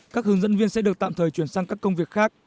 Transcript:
các hướng dẫn viên sẽ được tạm thời chuyển sang các công việc khác